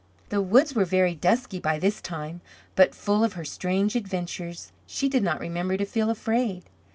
The woods were very dusky by this time; but full of her strange adventures, she did not remember to feel afraid.